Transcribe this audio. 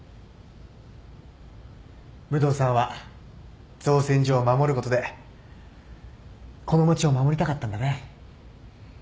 武藤さんは造船所を守ることでこの町を守りたかったんだね